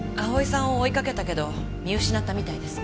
蒼さんを追いかけたけど見失ったみたいです。